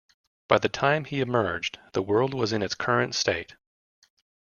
By the time he emerged, the world was in its current state.